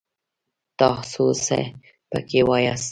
تاڅو څه پکې واياست!